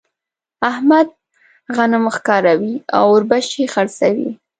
احمد غنم ښکاروي ـ اوربشې خرڅوي.